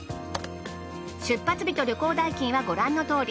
出発日と旅行代金はご覧のとおり。